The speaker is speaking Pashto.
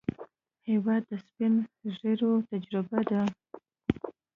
هېواد د سپینږیرو تجربه ده.